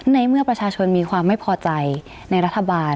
ในเมื่อประชาชนมีความไม่พอใจในรัฐบาล